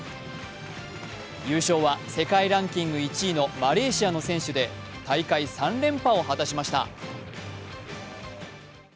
優勝は世界ランキング１位のマレーシアの選手で、大会３連覇を果たしました。